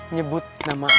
nyebut nama akang